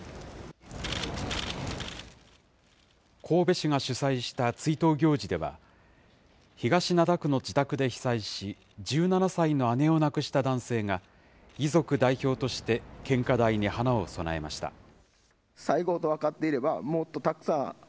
神戸市が主催した追悼行事では、東灘区の自宅で被災し、１７歳の姉を亡くした男性が、遺族代表として献花台に花を供えました。